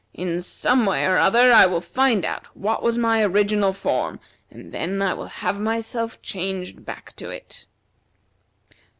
In some way or other I will find out what was my original form, and then I will have myself changed back to it."